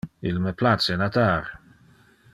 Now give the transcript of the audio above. Il me place natar.